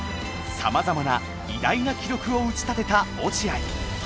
さまざまな偉大な記録を打ち立てた落合。